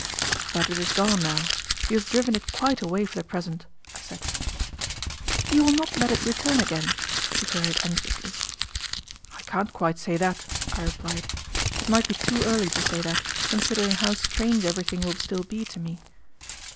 "But it is gone now. You have driven it quite away for the present," I said. "You will not let it return again," she queried anxiously. "I can't quite say that," I replied. "It might be too early to say that, considering how strange everything will still be to me."